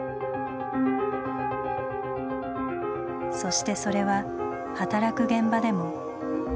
そしてそれは働く現場でも。